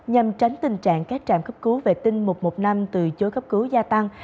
nhằm tránh tình trạng các trạm cấp cứu vệ tinh một trăm một mươi năm từ chối cấp cứu gia tăng